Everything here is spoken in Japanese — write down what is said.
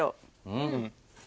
うん。